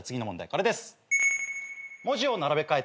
これです。